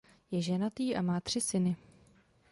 Je ženatý a má tři syny.